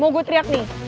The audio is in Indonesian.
mau gue teriak nih